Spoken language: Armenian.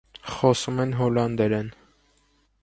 Խոսում են հոլանդերեն։